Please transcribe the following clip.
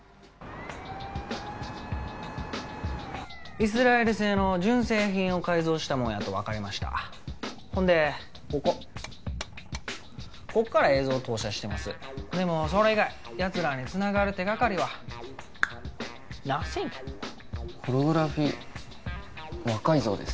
イスラエル製の純正品を改造したもんやと分かりましたほんでこここっから映像を投射してますでもそれ以外やつらにつながる手掛かりはナッシングホログラフィー魔改造です